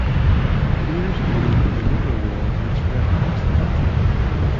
Fears grew that the labor war would spread across the country.